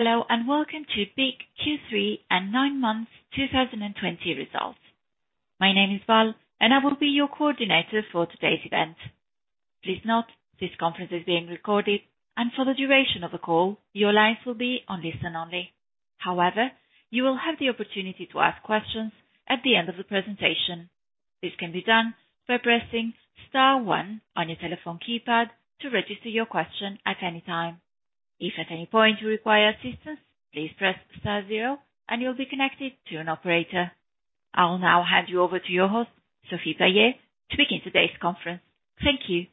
Hello, welcome to BIC Q3 and nine months 2020 results. My name is Val, and I will be your coordinator for today's event. Please note, this conference is being recorded, and for the duration of the call, your lines will be on listen only. You will have the opportunity to ask questions at the end of the presentation. This can be done by pressing star one on your telephone keypad to register your question at any time. If at any point you require assistance, please press star zero and you'll be connected to an operator. I'll now hand you over to your host, Sophie Palliez-Capian, to begin today's conference. Thank you.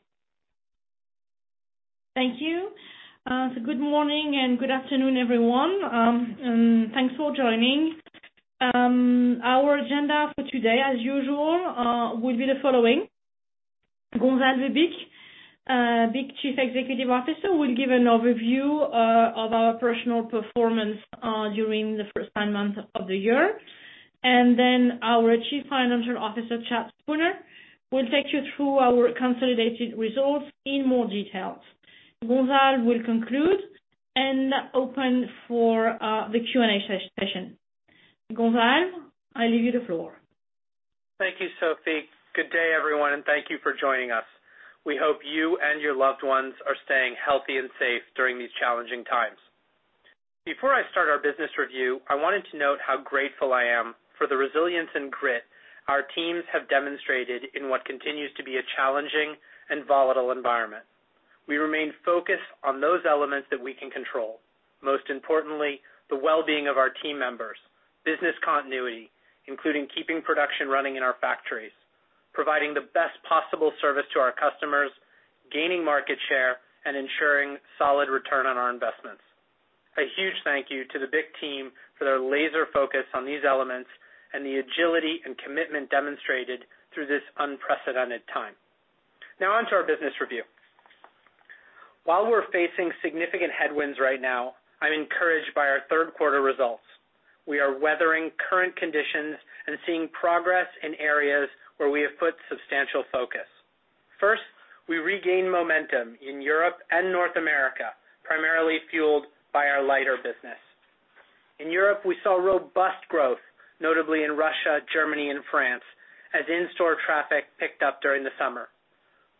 Thank you. Good morning and good afternoon, everyone. Thanks for joining. Our agenda for today, as usual, will be the following. Gonzalve Bich, BIC Chief Executive Officer, will give an overview of our operational performance during the first nine months of the year. Then our Chief Financial Officer, Chad Spooner, will take you through our consolidated results in more details. Gonzalve will conclude and open for the Q&A session. Gonzalve, I leave you the floor. Thank you, Sophie. Good day, everyone, and thank you for joining us. We hope you and your loved ones are staying healthy and safe during these challenging times. Before I start our business review, I wanted to note how grateful I am for the resilience and grit our teams have demonstrated in what continues to be a challenging and volatile environment. We remain focused on those elements that we can control, most importantly, the well-being of our team members, business continuity, including keeping production running in our factories, providing the best possible service to our customers, gaining market share, and ensuring solid return on our investments. A huge thank you to the BIC team for their laser focus on these elements and the agility and commitment demonstrated through this unprecedented time. Onto our business review. While we're facing significant headwinds right now, I'm encouraged by our third quarter results. We are weathering current conditions and seeing progress in areas where we have put substantial focus. First, we regain momentum in Europe and North America, primarily fueled by our lighter business. In Europe, we saw robust growth, notably in Russia, Germany, and France, as in-store traffic picked up during the summer.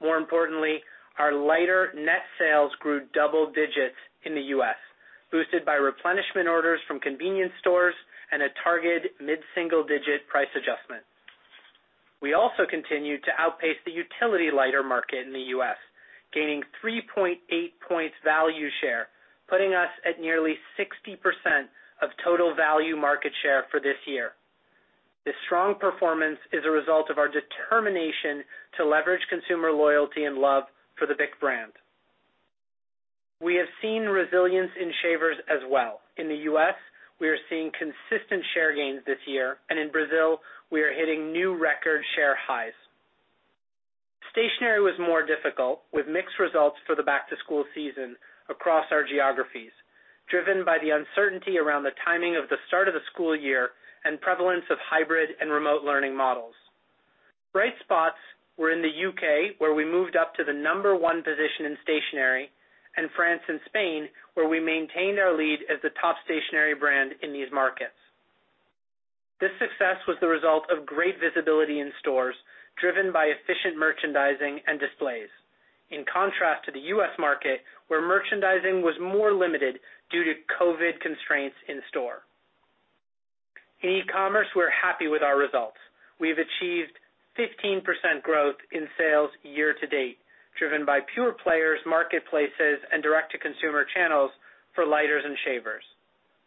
More importantly, our lighter net sales grew double digits in the U.S., boosted by replenishment orders from convenience stores and a targeted mid-single-digit price adjustment. We also continued to outpace the utility lighter market in the U.S., gaining 3.8 points value share, putting us at nearly 60% of total value market share for this year. This strong performance is a result of our determination to leverage consumer loyalty and love for the BIC brand. We have seen resilience in shavers as well. In the U.S., we are seeing consistent share gains this year, and in Brazil, we are hitting new record share highs. Stationery was more difficult, with mixed results for the back-to-school season across our geographies, driven by the uncertainty around the timing of the start of the school year and prevalence of hybrid and remote learning models. Bright spots were in the U.K., where we moved up to the number one position in stationery, and France and Spain, where we maintained our lead as the top stationery brand in these markets. This success was the result of great visibility in stores driven by efficient merchandising and displays. In contrast to the U.S. market, where merchandising was more limited due to COVID constraints in-store. In e-commerce, we're happy with our results. We have achieved 15% growth in sales year to date, driven by pure players, marketplaces, and direct-to-consumer channels for lighters and shavers.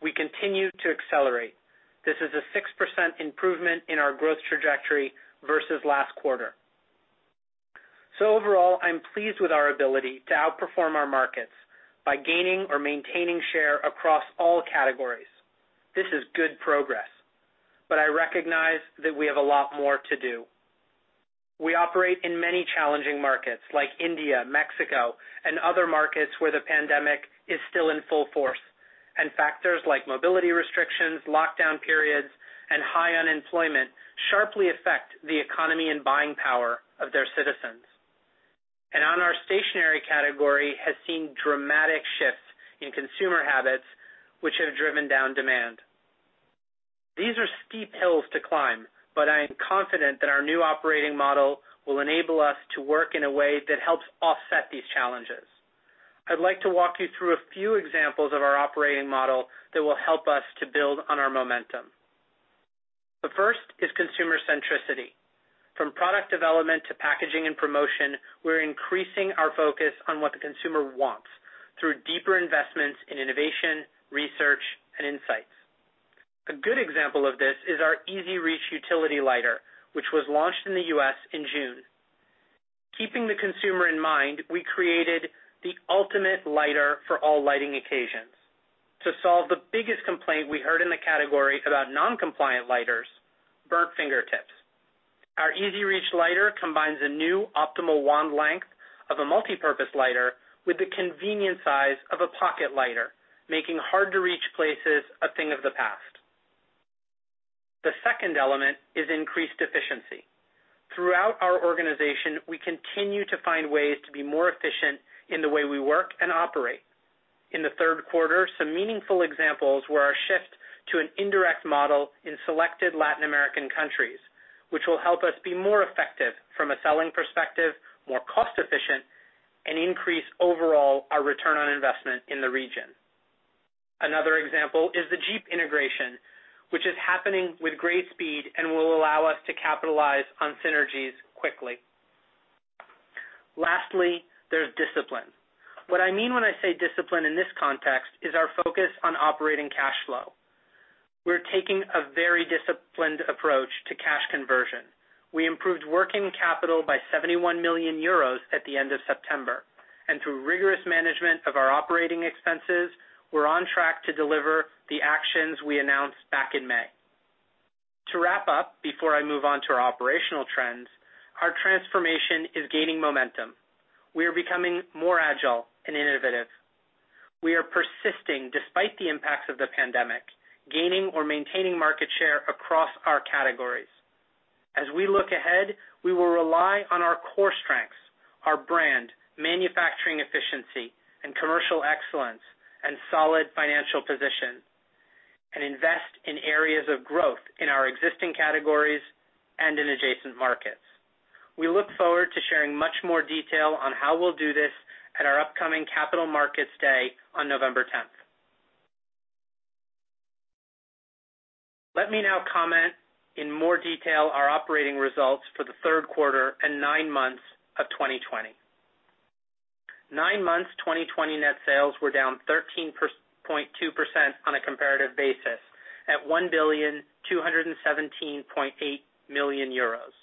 We continue to accelerate. This is a 6% improvement in our growth trajectory versus last quarter. Overall, I'm pleased with our ability to outperform our markets by gaining or maintaining share across all categories. This is good progress, but I recognize that we have a lot more to do. We operate in many challenging markets like India, Mexico, and other markets where the pandemic is still in full force, and factors like mobility restrictions, lockdown periods, and high unemployment sharply affect the economy and buying power of their citizens. On our stationery category has seen dramatic shifts in consumer habits, which have driven down demand. These are steep hills to climb, but I am confident that our new operating model will enable us to work in a way that helps offset these challenges. I'd like to walk you through a few examples of our operating model that will help us to build on our momentum. The first is consumer centricity. From product development to packaging and promotion, we're increasing our focus on what the consumer wants through deeper investments in innovation, research, and insights. A good example of this is our EZ Reach utility lighter, which was launched in the U.S. in June. Keeping the consumer in mind, we created the ultimate lighter for all lighting occasions. To solve the biggest complaint we heard in the category about non-compliant lighters, burnt fingertips. Our EZ Reach lighter combines a new optimal wand length of a multipurpose lighter with the convenient size of a pocket lighter, making hard-to-reach places a thing of the past. The second element is increased efficiency. Throughout our organization, we continue to find ways to be more efficient in the way we work and operate. In the third quarter, some meaningful examples were our shift to an indirect model in selected Latin American countries, which will help us be more effective from a selling perspective, more cost-efficient, and increase overall our return on investment in the region. Another example is the DJEEP integration, which is happening with great speed and will allow us to capitalize on synergies quickly. Lastly, there's discipline. What I mean when I say discipline in this context is our focus on operating cash flow. We're taking a very disciplined approach to cash conversion. We improved working capital by 71 million euros at the end of September. Through rigorous management of our operating expenses, we're on track to deliver the actions we announced back in May. To wrap up, before I move on to our operational trends, our transformation is gaining momentum. We are becoming more agile and innovative. We are persisting despite the impacts of the pandemic, gaining or maintaining market share across our categories. As we look ahead, we will rely on our core strengths, our brand, manufacturing efficiency, and commercial excellence, and solid financial position, and invest in areas of growth in our existing categories and in adjacent markets. We look forward to sharing much more detail on how we'll do this at our upcoming Capital Markets Day on November 10th. Let me now comment in more detail our operating results for the third quarter and nine months of 2020. Nine months 2020 net sales were down 13.2% on a comparative basis at 1,217.8 million euros.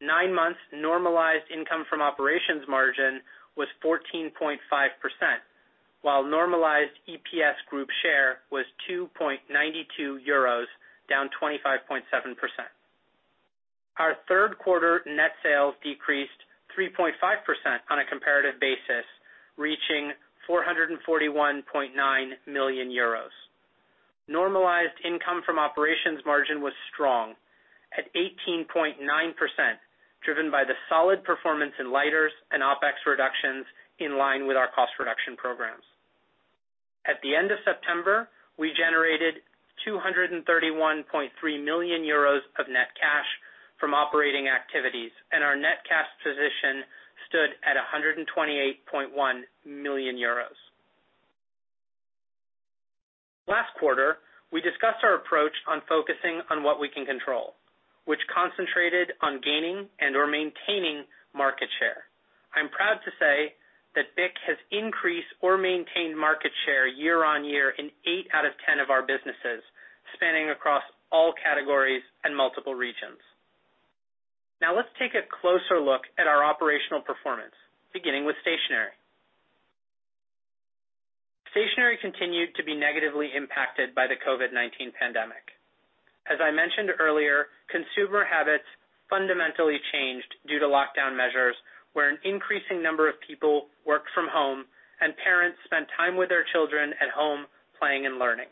Nine months Normalized Income From Operations margin was 14.5%, while normalized EPS group share was 2.92 euros, down 25.7%. Our third quarter net sales decreased 3.5% on a comparative basis, reaching 441.9 million euros. Normalized Income From Operations margin was strong at 18.9%, driven by the solid performance in lighters and OpEx reductions in line with our cost reduction programs. At the end of September, we generated 231.3 million euros of net cash from operating activities, and our net cash position stood at EUR 128.1 million. Last quarter, we discussed our approach on focusing on what we can control, which concentrated on gaining and/or maintaining market share. I'm proud to say that BIC has increased or maintained market share year-on-year in eight out of 10 of our businesses, spanning across all categories and multiple regions. Now let's take a closer look at our operational performance, beginning with Stationery. Stationery continued to be negatively impacted by the COVID-19 pandemic. As I mentioned earlier, consumer habits fundamentally changed due to lockdown measures, where an increasing number of people work from home, and parents spend time with their children at home, playing and learning.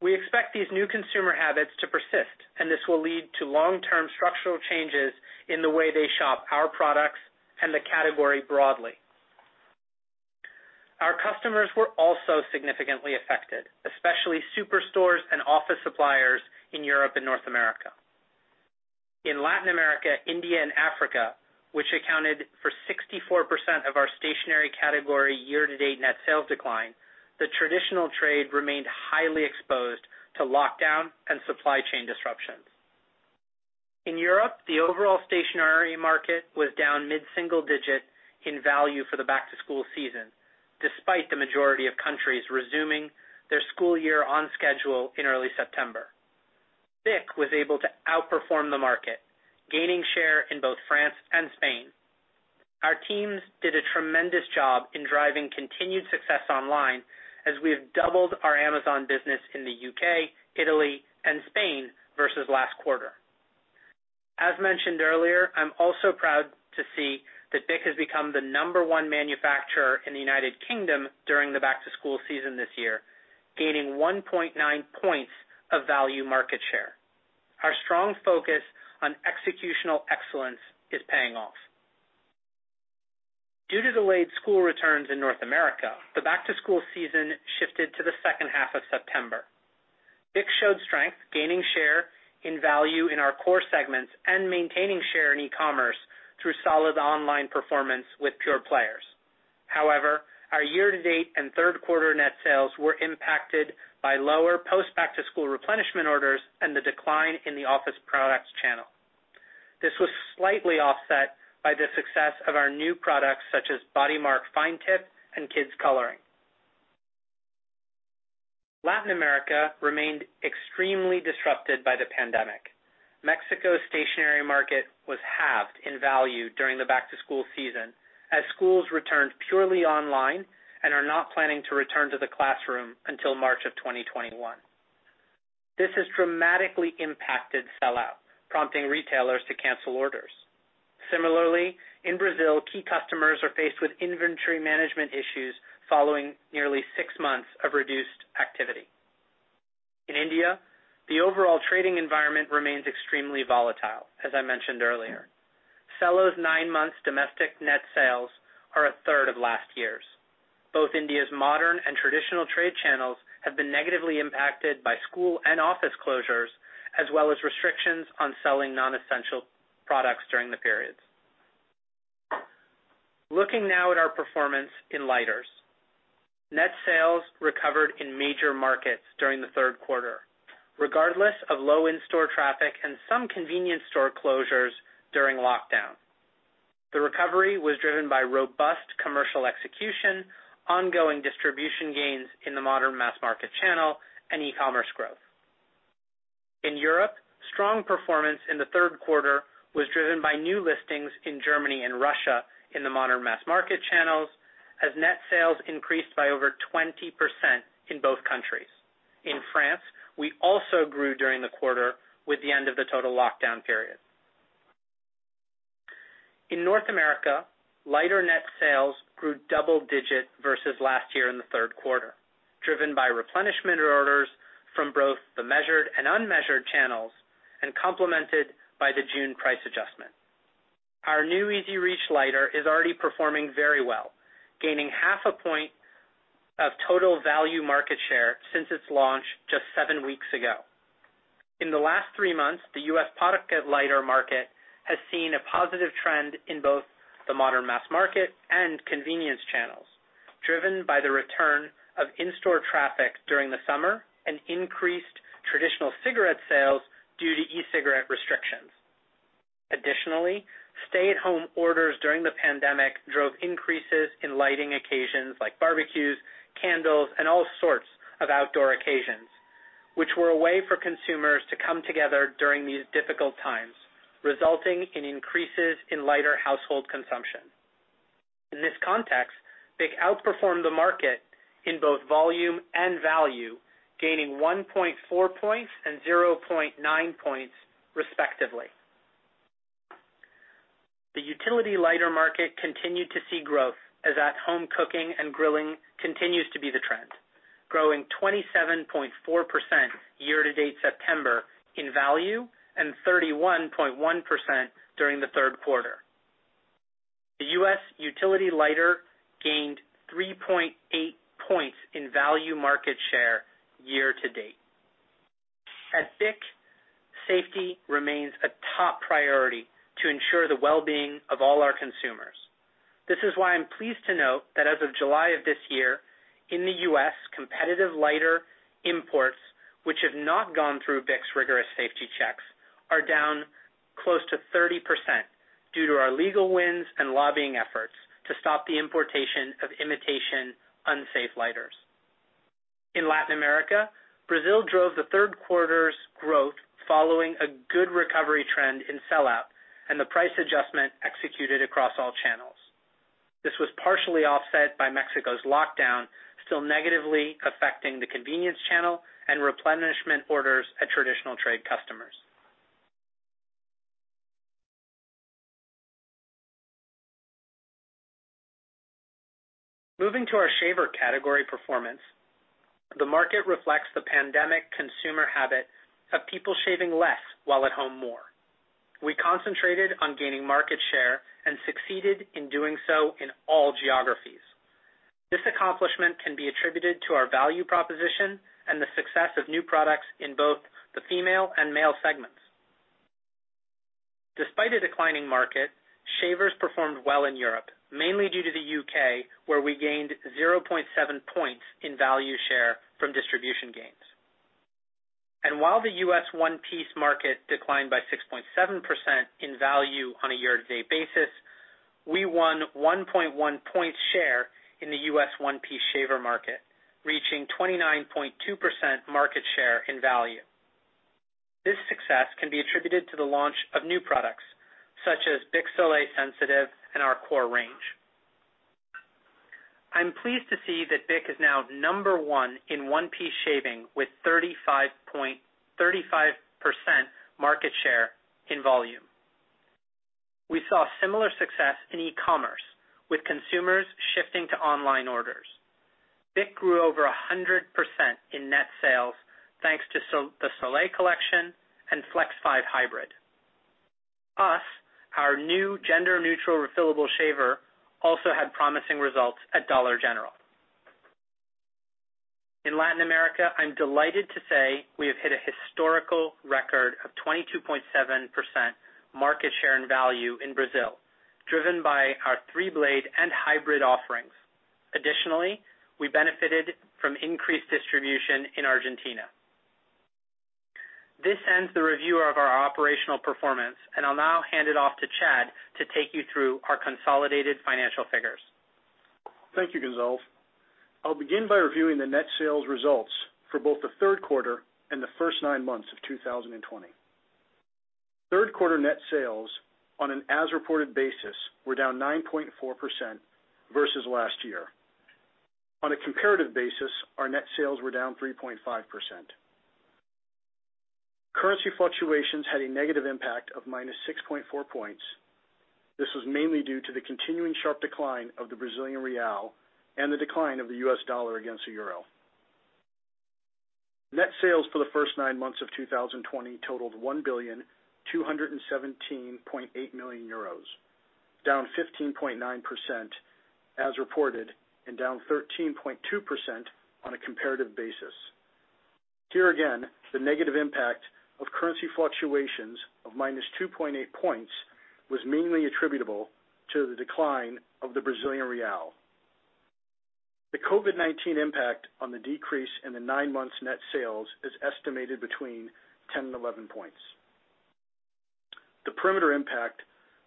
We expect these new consumer habits to persist, and this will lead to long-term structural changes in the way they shop our products and the category broadly. Our customers were also significantly affected, especially superstores and office suppliers in Europe and North America. In Latin America, India, and Africa, which accounted for 64% of our Stationery category year-to-date net sales decline, the traditional trade remained highly exposed to lockdown and supply chain disruptions. In Europe, the overall Stationery market was down mid-single digit in value for the back-to-school season, despite the majority of countries resuming their school year on schedule in early September. BIC was able to outperform the market, gaining share in both France and Spain. Our teams did a tremendous job in driving continued success online, as we have doubled our Amazon business in the U.K., Italy, and Spain versus last quarter. As mentioned earlier, I'm also proud to see that BIC has become the number one manufacturer in the United Kingdom during the back-to-school season this year, gaining 1.9 points of value market share. Our strong focus on executional excellence is paying off. Due to delayed school returns in North America, the back-to-school season shifted to the second half of September. BIC showed strength, gaining share in value in our core segments and maintaining share in e-commerce through solid online performance with pure players. Our year-to-date and third quarter net sales were impacted by lower post back-to-school replenishment orders and the decline in the office products channel. This was slightly offset by the success of our new products, such as BodyMark Fine Tip and Kids Coloring. Latin America remained extremely disrupted by the pandemic. Mexico's stationery market was halved in value during the back-to-school season as schools returned purely online and are not planning to return to the classroom until March of 2021. This has dramatically impacted sell-out, prompting retailers to cancel orders. Similarly, in Brazil, key customers are faced with inventory management issues following nearly six months of reduced activity. In India, the overall trading environment remains extremely volatile, as I mentioned earlier. Cello's nine-month domestic net sales are a third of last year's. Both India's modern and traditional trade channels have been negatively impacted by school and office closures, as well as restrictions on selling non-essential products during the periods. Looking now at our performance in lighters. Net sales recovered in major markets during the third quarter, regardless of low in-store traffic and some convenience store closures during lockdown. The recovery was driven by robust commercial execution, ongoing distribution gains in the modern mass market channel, and e-commerce growth. In Europe, strong performance in the third quarter was driven by new listings in Germany and Russia in the modern mass market channels, as net sales increased by over 20% in both countries. In France, we also grew during the quarter with the end of the total lockdown period. In North America, lighter net sales grew double-digit versus last year in the third quarter, driven by replenishment orders from both the measured and unmeasured channels, and complemented by the June price adjustment. Our new EZ Reach lighter is already performing very well, gaining half a point of total value market share since its launch just seven weeks ago. In the last three months, the U.S. pocket lighter market has seen a positive trend in both the modern mass market and convenience channels, driven by the return of in-store traffic during the summer and increased traditional cigarette sales due to e-cigarette restrictions. Additionally, stay-at-home orders during the pandemic drove increases in lighting occasions like barbecues, candles, and all sorts of outdoor occasions, which were a way for consumers to come together during these difficult times, resulting in increases in lighter household consumption. In this context, BIC outperformed the market in both volume and value, gaining 1.4 points and 0.9 points respectively. The utility lighter market continued to see growth as at-home cooking and grilling continues to be the trend, growing 27.4% year to date September in value and 31.1% during the third quarter. The U.S. utility lighter gained 3.8 points in value market share year to date. At BIC, safety remains a top priority to ensure the well-being of all our consumers. This is why I'm pleased to note that as of July of this year, in the U.S., competitive lighter imports, which have not gone through BIC's rigorous safety checks, are down close to 30% due to our legal wins and lobbying efforts to stop the importation of imitation unsafe lighters. In Latin America, Brazil drove the third quarter's growth following a good recovery trend in sell-out and the price adjustment executed across all channels. This was partially offset by Mexico's lockdown still negatively affecting the convenience channel and replenishment orders at traditional trade customers. Moving to our shaver category performance, the market reflects the pandemic consumer habit of people shaving less while at home more. We concentrated on gaining market share and succeeded in doing so in all geographies. This accomplishment can be attributed to our value proposition and the success of new products in both the female and male segments. Despite a declining market, shavers performed well in Europe, mainly due to the U.K., where we gained 0.7 points in value share from distribution gains. While the U.S. one-piece market declined by 6.7% in value on a year-to-date basis, we won 1.1 points share in the U.S. one-piece shaver market, reaching 29.2% market share in value. This success can be attributed to the launch of new products such as BIC Soleil Sensitive and our core range. I'm pleased to see that BIC is now number one in one-piece shaving with 35% market share in volume. We saw similar success in e-commerce, with consumers shifting to online orders. BIC grew over 100% in net sales, thanks to the Soleil collection and Flex 5 Hybrid. Plus, our new gender-neutral refillable shaver also had promising results at Dollar General. In Latin America, I'm delighted to say we have hit a historical record of 22.7% market share and value in Brazil, driven by our 3-blade and hybrid offerings. Additionally, we benefited from increased distribution in Argentina. This ends the review of our operational performance, and I'll now hand it off to Chad to take you through our consolidated financial figures. Thank you, Gonzalve. I'll begin by reviewing the net sales results for both the third quarter and the first nine months of 2020. Third quarter net sales on an as-reported basis were down 9.4% versus last year. On a comparative basis, our net sales were down 3.5%. Currency fluctuations had a negative impact of -6.4 points. This was mainly due to the continuing sharp decline of the Brazilian real and the decline of the U.S. dollar against the euro. Net sales for the first nine months of 2020 totaled 1,217.8 million euros, down 15.9% as reported and down 13.2% on a comparative basis. Here again, the negative impact of currency fluctuations of -2.8 points was mainly attributable to the decline of the Brazilian real. The COVID-19 impact on the decrease in the nine months' net sales is estimated between 10 and 11 points. The perimeter impact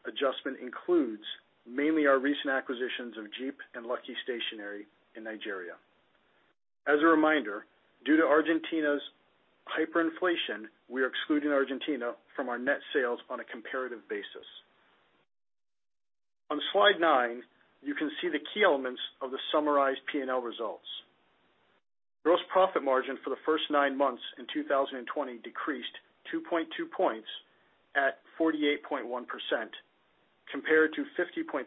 adjustment includes mainly our recent acquisitions of DJEEP and Lucky Stationery in Nigeria. As a reminder, due to Argentina's hyperinflation, we are excluding Argentina from our net sales on a comparative basis. On slide nine, you can see the key elements of the summarized P&L results. Gross profit margin for the first nine months in 2020 decreased 2.2 points at 48.1% compared to 50.3%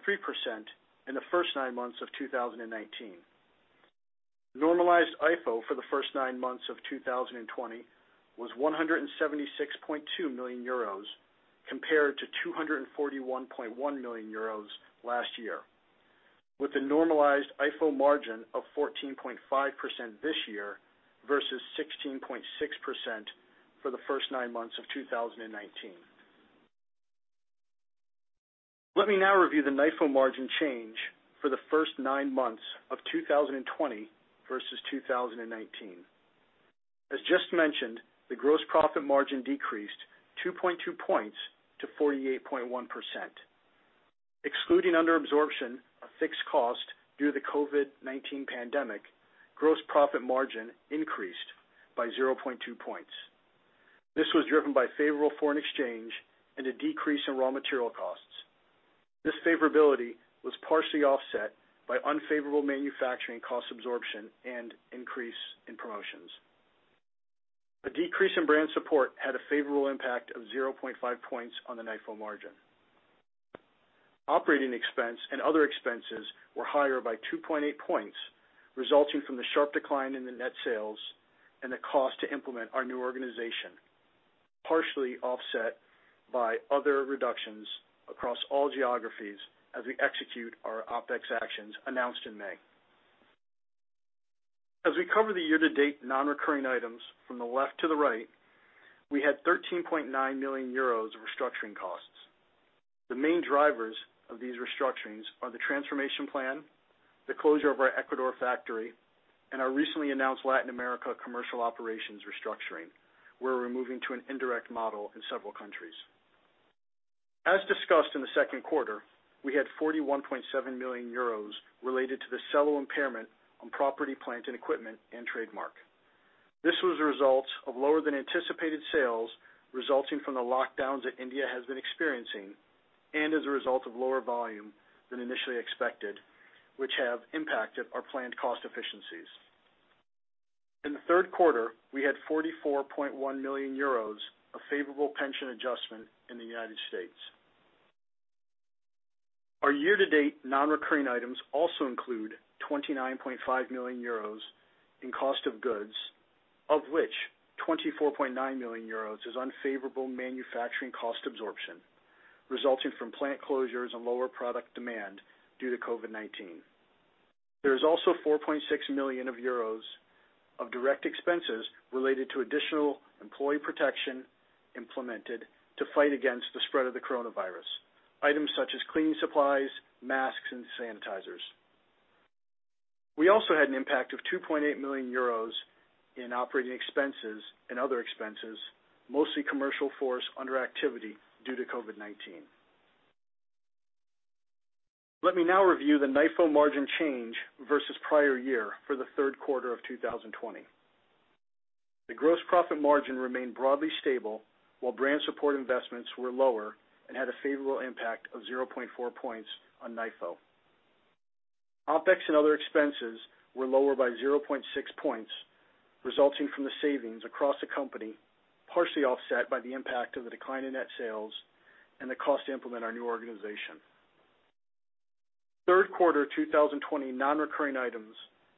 in the first nine months of 2019. Normalized IFO for the first nine months of 2020 was 176.2 million euros compared to 241.1 million euros last year, with a Normalized IFO margin of 14.5% this year versus 16.6% for the first nine months of 2019. Let me now review the NIFO margin change for the first nine months of 2020 versus 2019. As just mentioned, the gross profit margin decreased 2.2 points to 48.1%. Excluding under absorption of fixed cost due to the COVID-19 pandemic, gross profit margin increased by 0.2 points. This was driven by favorable foreign exchange and a decrease in raw material costs. This favorability was partially offset by unfavorable manufacturing cost absorption and increase in promotions. A decrease in brand support had a favorable impact of 0.5 points on the NIFO margin. Operating expense and other expenses were higher by 2.8 points, resulting from the sharp decline in the net sales and the cost to implement our new organization, partially offset by other reductions across all geographies as we execute our OpEx actions announced in May. As we cover the year-to-date non-recurring items from the left to the right, we had 13.9 million euros of restructuring costs. The main drivers of these restructurings are the transformation plan, the closure of our Ecuador factory, and our recently announced Latin America commercial operations restructuring, where we're moving to an indirect model in several countries. As discussed in the second quarter, we had 41.7 million euros related to the Cello impairment on property, plant, and equipment and trademark. This was a result of lower than anticipated sales resulting from the lockdowns that India has been experiencing and as a result of lower volume than initially expected, which have impacted our planned cost efficiencies. In the third quarter, we had 44.1 million euros of favorable pension adjustment in the United States. Our year-to-date non-recurring items also include 29.5 million euros in cost of goods, of which 24.9 million euros is unfavorable manufacturing cost absorption, resulting from plant closures and lower product demand due to COVID-19. There is also 4.6 million euros of direct expenses related to additional employee protection implemented to fight against the spread of the coronavirus, items such as cleaning supplies, masks, and sanitizers. We also had an impact of 2.8 million euros in operating expenses and other expenses, mostly commercial force under activity due to COVID-19. Let me now review the NIFO margin change versus prior year for the third quarter of 2020. The gross profit margin remained broadly stable, while brand support investments were lower and had a favorable impact of 0.4 points on NIFO. OpEx and other expenses were lower by 0.6 points, resulting from the savings across the company, partially offset by the impact of the decline in net sales and the cost to implement our new organization. Third quarter 2020 non-recurring items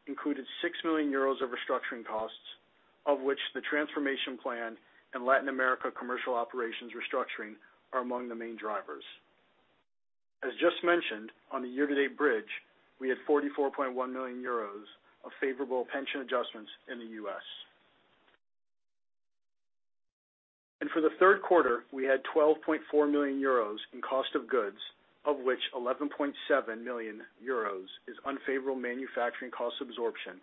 included 6 million euros of restructuring costs, of which the transformation plan and Latin America commercial operations restructuring are among the main drivers. As just mentioned, on the year-to-date bridge, we had 44.1 million euros of favorable pension adjustments in the U.S. For the third quarter, we had 12.4 million euros in cost of goods, of which 11.7 million euros is unfavorable manufacturing cost absorption,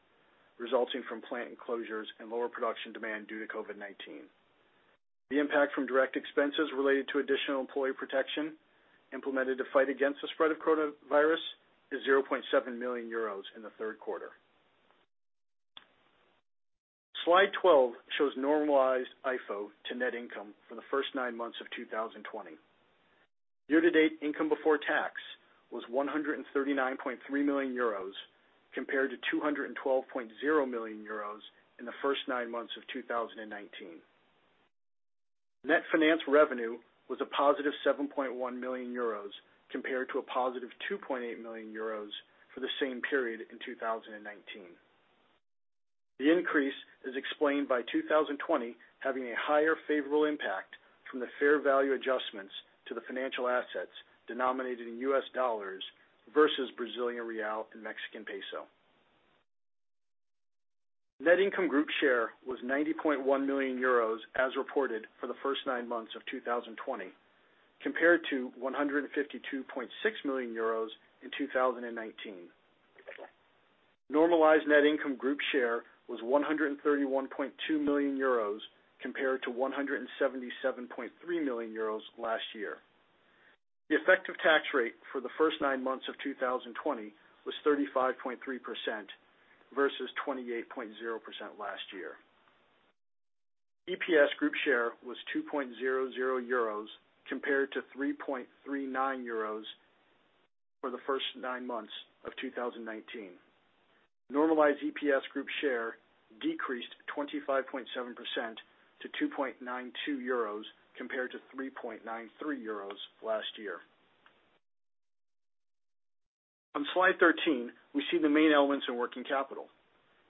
resulting from plant closures and lower production demand due to COVID-19. The impact from direct expenses related to additional employee protection implemented to fight against the spread of coronavirus is 0.7 million euros in the third quarter. Slide 12 shows Normalized IFO to net income for the first nine months of 2020. Year-to-date income before tax was 139.3 million euros compared to 212.0 million euros in the first nine months of 2019. Net finance revenue was a positive 7.1 million euros compared to a positive 2.8 million euros for the same period in 2019. The increase is explained by 2020 having a higher favorable impact from the fair value adjustments to the financial assets denominated in US dollars versus Brazilian real and Mexican peso. Net income group share was 90.1 million euros as reported for the first nine months of 2020, compared to 152.6 million euros in 2019. Normalized net income group share was 131.2 million euros compared to 177.3 million euros last year. The effective tax rate for the first nine months of 2020 was 35.3% versus 28.0% last year. EPS group share was 2.00 euros compared to 3.39 euros for the first nine months of 2019. Normalized EPS group share decreased 25.7% to 2.92 euros compared to 3.93 euros last year. On slide 13, we see the main elements in working capital.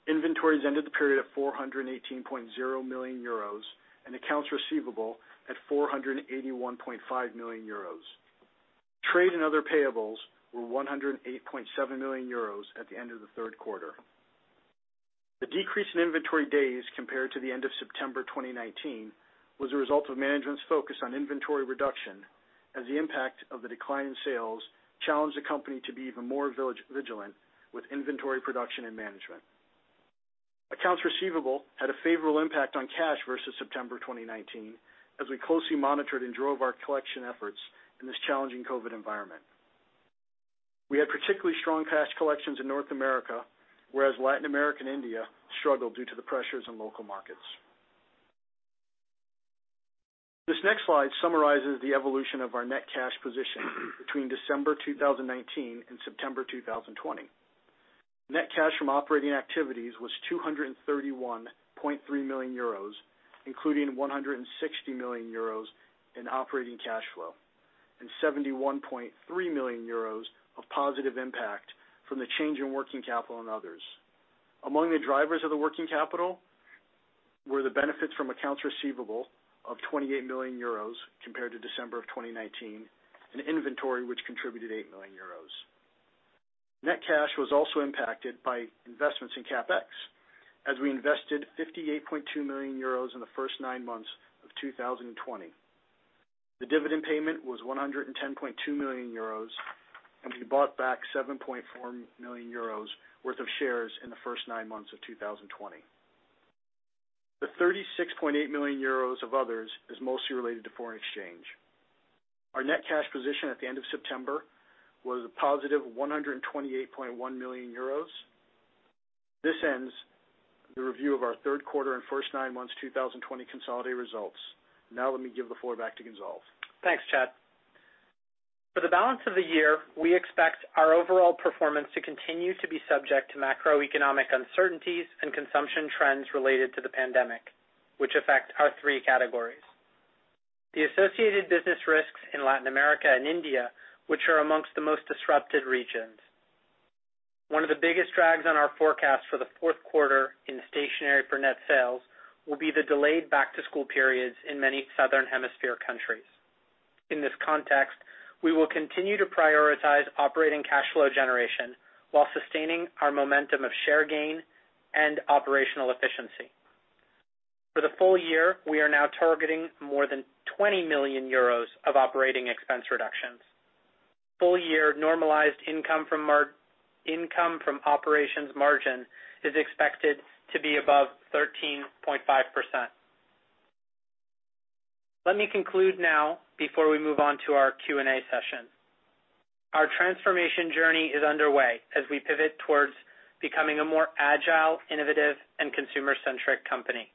Inventories ended the period at 418.0 million euros, and accounts receivable at 481.5 million euros. Trade and other payables were 108.7 million euros at the end of the third quarter. The decrease in inventory days compared to the end of September 2019 was a result of management's focus on inventory reduction as the impact of the decline in sales challenged the company to be even more vigilant with inventory production and management. Accounts receivable had a favorable impact on cash versus September 2019, as we closely monitored and drove our collection efforts in this challenging COVID environment. We had particularly strong cash collections in North America, whereas Latin America and India struggled due to the pressures on local markets. This next slide summarizes the evolution of our net cash position between December 2019 and September 2020. Net cash from operating activities was 231.3 million euros, including 160 million euros in operating cash flow, and 71.3 million euros of positive impact from the change in working capital and others. Among the drivers of the working capital were the benefits from accounts receivable of 28 million euros compared to December of 2019, and inventory, which contributed 8 million euros. Net cash was also impacted by investments in CapEx as we invested 58.2 million euros in the first nine months of 2020. The dividend payment was 110.2 million euros, and we bought back 7.4 million euros worth of shares in the first nine months of 2020. The 36.8 million euros of others is mostly related to foreign exchange. Our net cash position at the end of September was a positive 128.1 million euros. This ends the review of our third quarter and first nine months 2020 consolidated results. Let me give the floor back to Gonzalve. Thanks, Chad. For the balance of the year, we expect our overall performance to continue to be subject to macroeconomic uncertainties and consumption trends related to the pandemic, which affect our three categories. The associated business risks in Latin America and India, which are amongst the most disrupted regions. One of the biggest drags on our forecast for the fourth quarter in stationery for net sales will be the delayed back-to-school periods in many southern hemisphere countries. In this context, we will continue to prioritize operating cash flow generation while sustaining our momentum of share gain and operational efficiency. For the full year, we are now targeting more than 20 million euros of operating expense reductions. Full-year Normalized Income From Operations margin is expected to be above 13.5%. Let me conclude now before we move on to our Q&A session. Our transformation journey is underway as we pivot towards becoming a more agile, innovative, and consumer-centric company.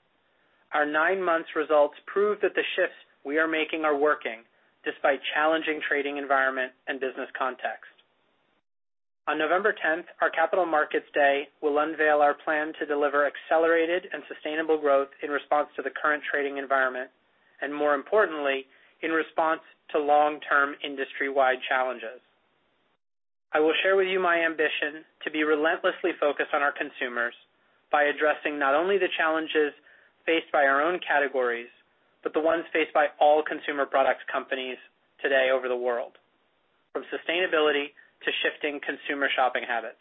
Our nine months results prove that the shifts we are making are working despite challenging trading environment and business context. On November 10th, our Capital Markets Day will unveil our plan to deliver accelerated and sustainable growth in response to the current trading environment, and more importantly, in response to long-term industry-wide challenges. I will share with you my ambition to be relentlessly focused on our consumers by addressing not only the challenges faced by our own categories, but the ones faced by all consumer products companies today over the world, from sustainability to shifting consumer shopping habits.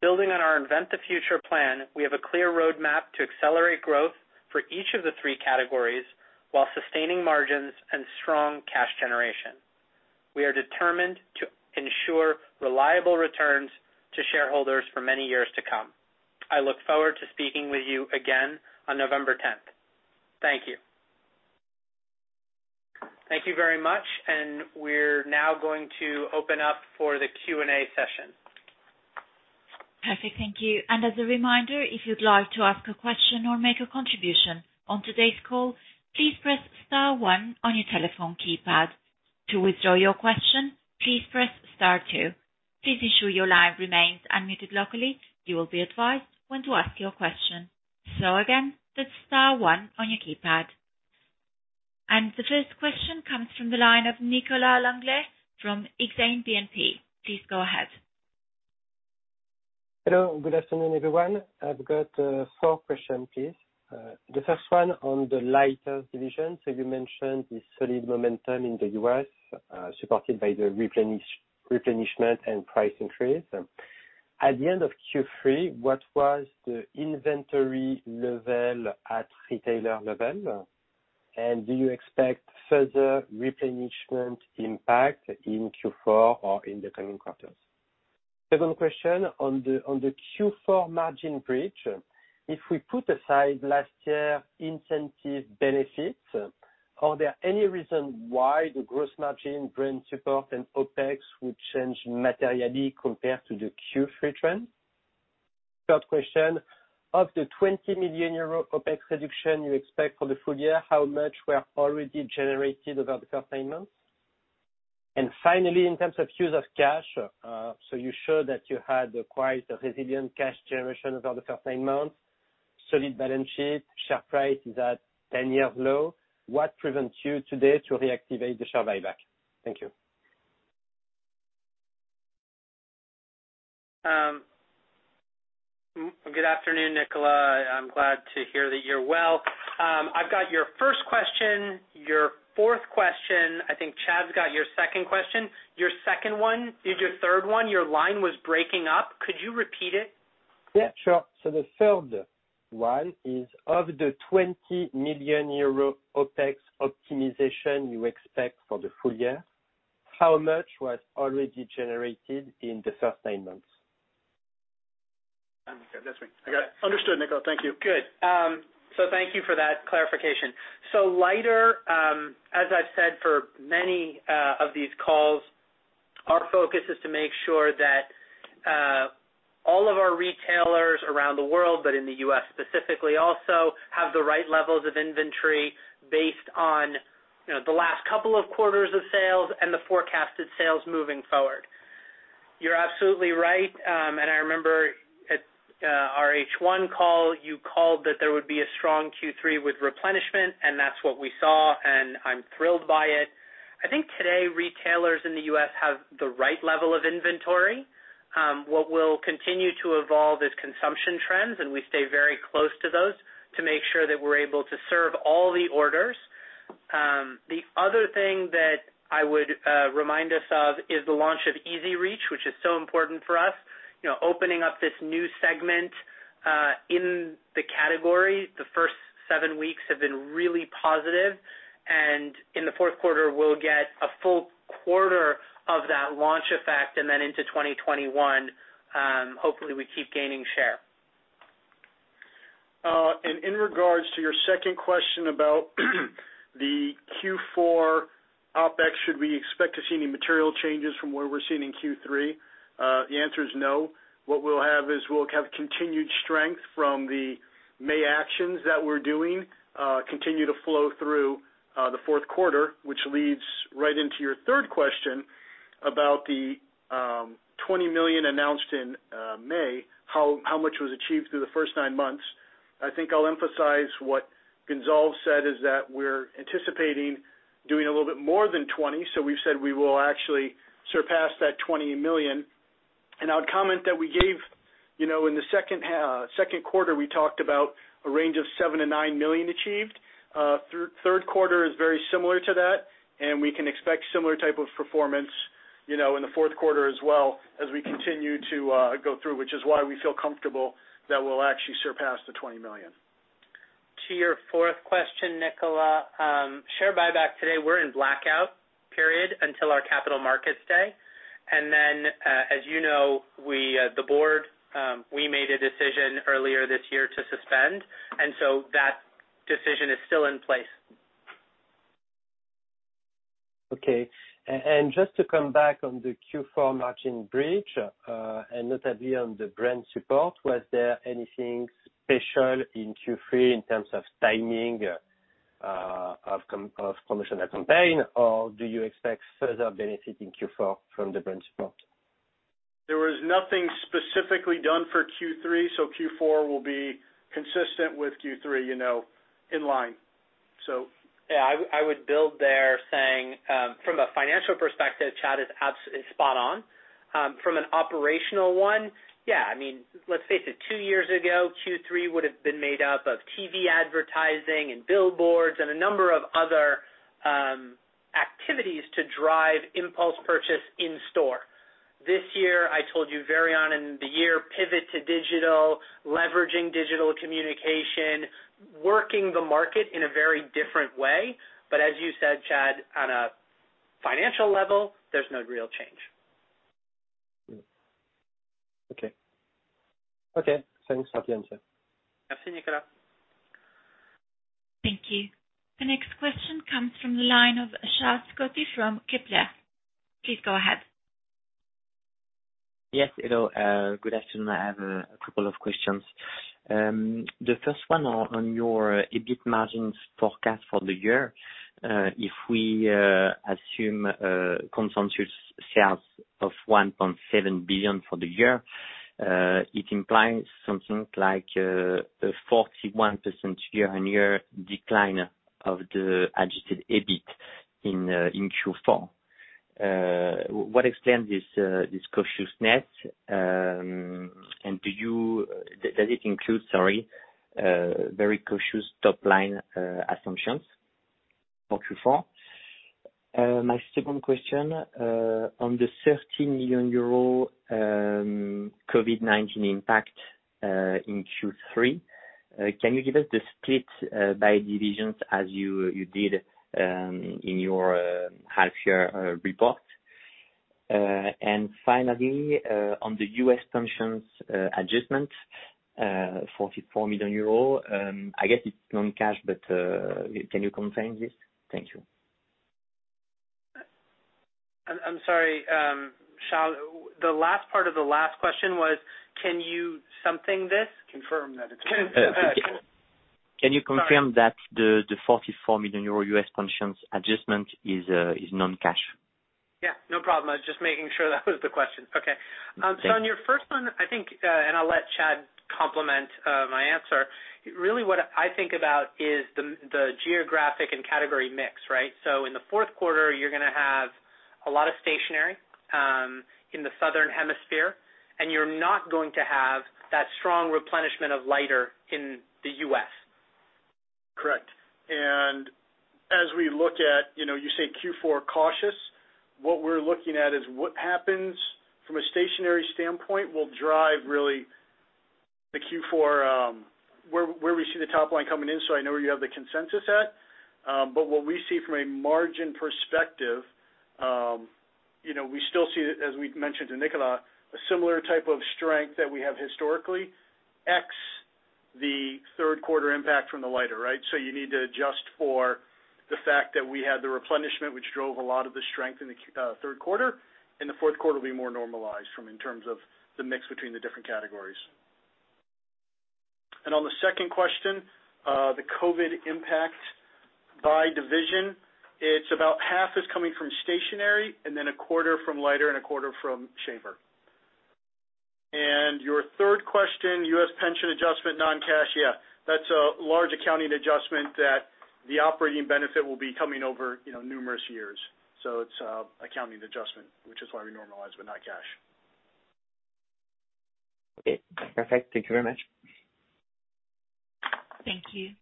Building on our Invent the Future plan, we have a clear roadmap to accelerate growth for each of the three categories while sustaining margins and strong cash generation. We are determined to ensure reliable returns to shareholders for many years to come. I look forward to speaking with you again on November 10th. Thank you. Thank you very much. We're now going to open up for the Q&A session. Perfect. Thank you. As a reminder, if you'd like to ask a question or make a contribution on today's call please press star one on your telephone keypad. To withdraw your question, please press star two. Please ensure your line remains unmuted locally. You will be advised when to ask your question. So again, that's star one on your keypad. The first question comes from the line of Nicolas Langlet from Exane BNP. Please go ahead. Hello. Good afternoon, everyone. I've got four questions, please. The first one on the lighter division. You mentioned the solid momentum in the U.S., supported by the replenishment and price increase. At the end of Q3, what was the inventory level at retailer level? Do you expect further replenishment impact in Q4 or in the coming quarters? Second question on the Q4 margin bridge. If we put aside last year incentive benefits, are there any reason why the gross margin brand support and OpEx would change materially compared to the Q3 trend? Third question, of the 20 million euro OpEx reduction you expect for the full year, how much were already generated over the first nine months? Finally, in terms of use of cash, you showed that you had quite a resilient cash generation over the first nine months, solid balance sheet, share price is at 10-year low. What prevents you today to reactivate the share buyback? Thank you. Good afternoon, Nicolas. I'm glad to hear that you're well. I've got your first question, your fourth question. I think Chad's got your second question. Your second one, your third one, your line was breaking up. Could you repeat it? Yeah, sure. The third one is, of the 20 million euro OpEx optimization you expect for the full year, how much was already generated in the first nine months? That's me. I got it. Understood, Nicolas. Thank you. Good. Thank you for that clarification. Lighter, as I've said for many of these calls, our focus is to make sure that all of our retailers around the world, but in the U.S. specifically also, have the right levels of inventory based on the last couple of quarters of sales and the forecasted sales moving forward. You're absolutely right, and I remember at our H1 call, you called that there would be a strong Q3 with replenishment, and that's what we saw, and I'm thrilled by it. I think today, retailers in the U.S. have the right level of inventory. What we'll continue to evolve is consumption trends, and we stay very close to those to make sure that we're able to serve all the orders. The other thing that I would remind us of is the launch of EZ Reach, which is so important for us. Opening up this new segment, in the category, the first seven weeks have been really positive. In the fourth quarter, we'll get a full quarter of that launch effect, and then into 2021, hopefully, we keep gaining share. In regards to your second question about the Q4 OpEx, should we expect to see any material changes from what we're seeing in Q3? The answer is no. What we'll have is, we'll have continued strength from the May actions that we're doing continue to flow through the fourth quarter, which leads right into your third question about the 20 million announced in May, how much was achieved through the first nine months. I think I'll emphasize what Gonzalve said is that we're anticipating doing a little bit more than 20, so we've said we will actually surpass that 20 million. I would comment that we gave, in the second quarter, we talked about a range of 7 million-9 million achieved. Third quarter is very similar to that, and we can expect similar type of performance in the fourth quarter as well as we continue to go through, which is why we feel comfortable that we'll actually surpass the 20 million. To your fourth question, Nicolas. Share buyback today, we're in blackout period until our Capital Markets Day. As you know, the board, we made a decision earlier this year to suspend, and so that decision is still in place. Okay. Just to come back on the Q4 margin bridge, notably on the brand support, was there anything special in Q3 in terms of timing of promotional campaign, or do you expect further benefit in Q4 from the brand support? There was nothing specifically done for Q3. Q4 will be consistent with Q3, in line. Yeah, I would build there saying, from a financial perspective, Chad is spot on. From an operational one, yeah. Let's face it, two years ago, Q3 would've been made up of TV advertising and billboards and a number of other activities to drive impulse purchase in-store. This year, I told you very on in the year, pivot to digital, leveraging digital communication, working the market in a very different way. As you said, Chad, on a financial level, there's no real change. Okay. Thanks for the answer. Merci, Nicolas. Thank you. The next question comes from the line of Charles Scotti from Kepler. Please go ahead. Yes, hello. Good afternoon. I have a couple of questions. The first one on your EBIT margins forecast for the year. If we assume consensus sales of 1.7 billion for the year, it implies something like a 41% year-on-year decline of the adjusted EBIT in Q4. What explains this cautiousness, and does it include very cautious top-line assumptions for Q4? My second question, on the 13 million euro COVID-19 impact in Q3, can you give us the split by divisions as you did in your half-year report? Finally, on the U.S. pensions adjustment, 44 million euro, I guess it's non-cash, but can you confirm this? Thank you. I'm sorry, Charles, the last part of the last question was, can you something this? Confirm that it's non-cash. Can you confirm that the 44 million euro U.S. pensions adjustment is non-cash? Yeah. No problem. I was just making sure that was the question. Okay. Thank you. On your first one, I think, and I'll let Chad complement my answer, really what I think about is the geographic and category mix. Right? In the fourth quarter, you're going to have a lot of stationery in the southern hemisphere, and you're not going to have that strong replenishment of lighter in the U.S. Correct. As we look at, you say Q4 cautious, what we're looking at is what happens from a stationery standpoint will drive really the Q4, where we see the top line coming in, so I know where you have the consensus at. What we see from a margin perspective, we still see, as we mentioned to Nicolas, a similar type of strength that we have historically, X, the third quarter impact from the lighter, right? You need to adjust for the fact that we had the replenishment, which drove a lot of the strength in the third quarter, and the fourth quarter will be more normalized in terms of the mix between the different categories. On the second question, the COVID impact by division, it's about half is coming from stationery and then a quarter from lighter and a quarter from shaver. Your third question, U.S. pension adjustment non-cash. Yeah, that's a large accounting adjustment that the operating benefit will be coming over numerous years. It's accounting adjustment, which is why we normalize but not cash. Okay. Perfect. Thank you very much. Thank you.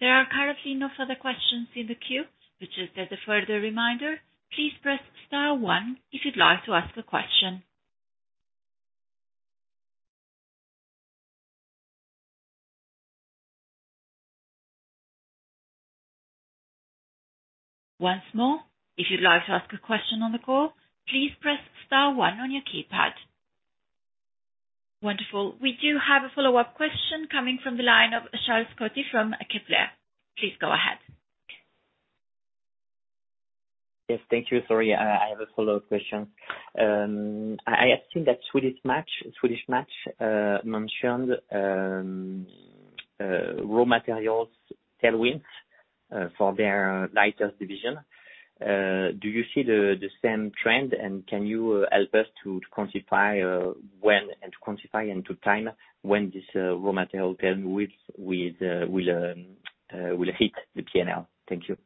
There are currently no further questions in the queue. Just as a further reminder, please press star one if you'd like to ask a question. Once more, if you'd like to ask a question on the call, please press star one on your keypad. Wonderful. We do have a follow-up question coming from the line of Charles Scotti from Kepler. Please go ahead. Yes. Thank you. Sorry. I have a follow-up question. I have seen that Swedish Match mentioned raw materials tailwinds for their lighters division. Do you see the same trend, and can you help us to quantify when, and to quantify into time when this raw material tailwind will hit the P&L? Thank you.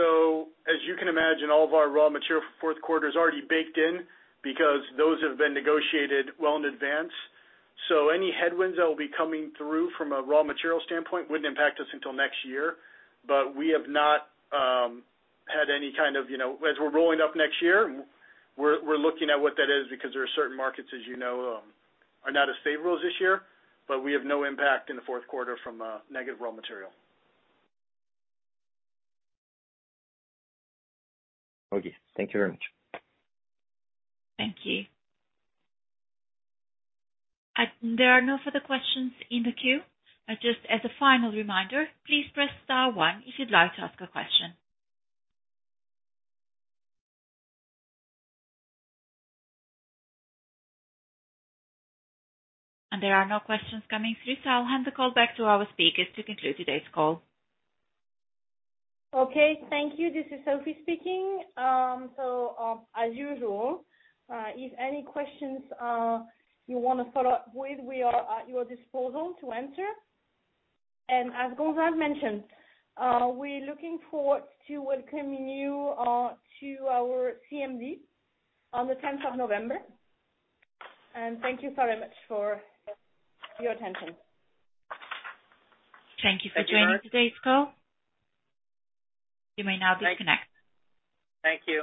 As you can imagine, all of our raw material for fourth quarter is already baked in because those have been negotiated well in advance. Any headwinds that will be coming through from a raw material standpoint wouldn't impact us until next year. As we're rolling up next year, we're looking at what that is because there are certain markets, as you know, are not as favorable this year, but we have no impact in the fourth quarter from negative raw material. Okay. Thank you very much. Thank you. There are no further questions in the queue. Just as a final reminder, please press star one if you'd like to ask a question. There are no questions coming through, so I'll hand the call back to our speakers to conclude today's call. Okay. Thank you. This is Sophie speaking. As usual, if any questions you want to follow up with, we are at your disposal to answer. As Gonzalve mentioned, we're looking forward to welcoming you to our CMD on the 10th of November. Thank you very much for your attention. Thank you for joining today's call. You may now disconnect. Thank you.